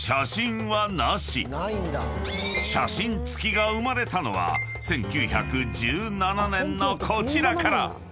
［写真付きが生まれたのは１９１７年のこちらから］